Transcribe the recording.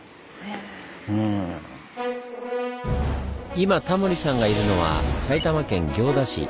今タモリさんがいるのは埼玉県行田市。